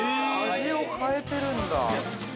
◆味を変えてるんだ。